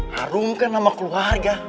harungkan sama keluarga